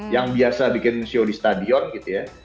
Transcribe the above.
yang biasa bikin show di stadion gitu ya